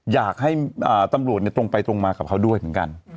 อยากให้ตำรวจตรงไปตรงมากับเขาด้วยเหมือนกัน